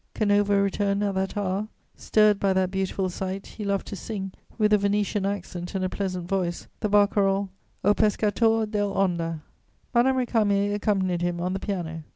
Canova returned at that hour; stirred by that beautiful sight, he loved to sing, with a Venetian accent and a pleasant voice, the barcarolle, O pescator dell'onda; Madame Récamier accompanied him on the piano.